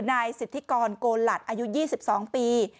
นายสิทธิกรโกหลัดอายุ๒๒ปี